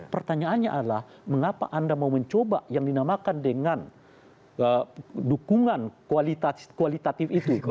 pertanyaannya adalah mengapa anda mau mencoba yang dinamakan dengan dukungan kualitatif itu